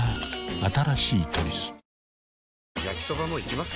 新しい「トリス」焼きソバもいきます？